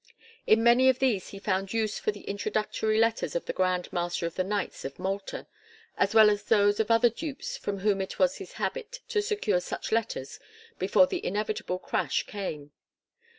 In many of these he found use for the introductory letters of the Grand Master of the Knights of Malta, as well as those of other dupes from whom it was his habit to secure such letters before the inevitable crash came.